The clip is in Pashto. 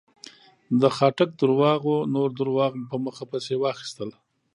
د خاټک درواغو نور درواغ په مخه پسې واخيستل.